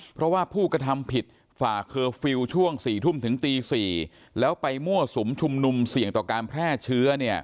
เพราะว่าผู้กระทำผิดฝ่าเคอร์ฟิลล์ช่วง๔ทุ่มถึงตี๔แล้วไปมั่วสุมชุมนุมเสี่ยงต่อการแพร่เชื้อ